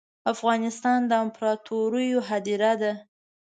افغانستان ده امپراتوریو هدیره ده